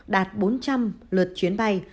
đạt bốn trăm linh lượt chuyến bay